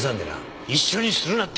一緒にするなって。